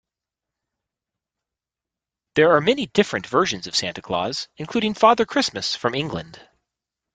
There are many different versions of Santa Claus, including Father Christmas from England